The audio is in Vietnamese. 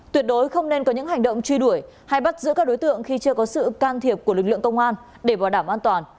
tuyệt đối không nên có những hành động truy đuổi hay bắt giữ các đối tượng khi chưa có sự can thiệp của lực lượng công an để bảo đảm an toàn